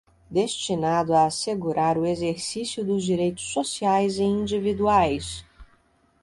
destinado a assegurar o exercício dos direitos sociais e individuais